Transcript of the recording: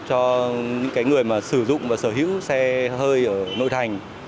cho những người mà sử dụng và sở hữu xe hơi ở nội thành